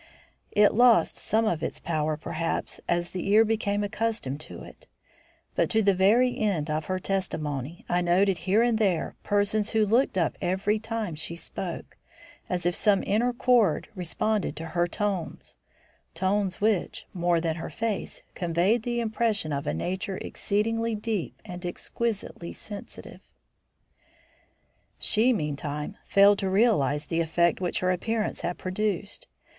It lost some of its power perhaps as the ear became accustomed to it; but to the very end of her testimony, I noted here and there persons who looked up every time she spoke, as if some inner chord responded to her tones tones which, more than her face, conveyed the impression of a nature exceedingly deep and exquisitely sensitive. She, meantime, failed to realise the effect which her appearance had produced.